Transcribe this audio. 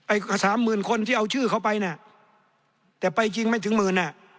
สามหมื่นคนที่เอาชื่อเขาไปน่ะแต่ไปจริงไม่ถึงหมื่นอ่ะ